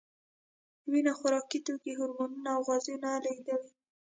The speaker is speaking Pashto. وینه خوراکي توکي، هورمونونه او غازونه لېږدوي.